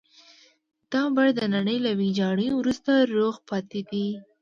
دا بڼ د نړۍ له ويجاړۍ وروسته روغ پاتې دی.